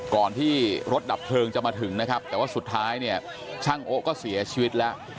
ก่อนที่รถดับเพลิงจะมาถึงนะครับแต่ว่าสุดท้ายเนี่ยช่างโอ๊ก็เสียชีวิตแล้ว